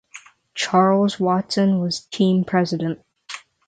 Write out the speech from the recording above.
Charles Watson was team president.